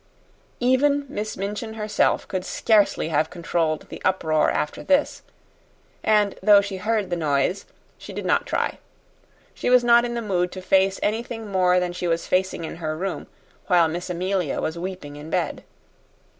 Even Miss Minchin herself could scarcely have controlled the uproar after this; and though she heard the noise, she did not try. She was not in the mood to face anything more than she was facing in her room, while Miss Amelia was weeping in bed.